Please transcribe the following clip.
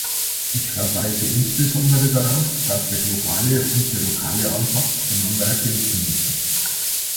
Ich verweise insbesondere darauf, dass der globale und der lokale Ansatz einander ergänzen müssen.